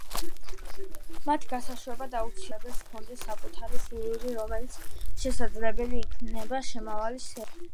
მათ გასაშვებად აუცილებელია რომ მომხმარებელს ჰქონდეს საკუთარი სერვერი რომელზეც შესაძლებელი იქნება შუამავალი სერვერის გაშვება.